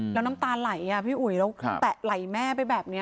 แล้วน้ำตาไหลพี่อุ๋ยแล้วแตะไหลแม่ไปแบบนี้